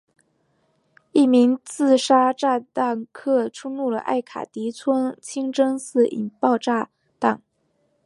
一名自杀炸弹客冲入了艾卡迪村清真寺引爆炸弹。